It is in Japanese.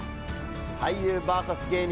俳優ＶＳ芸人。